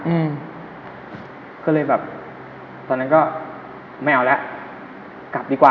หมืนทางเลยแบบตอนที่หนึ่งก็ปนไม่เอาละกลับดีกว่า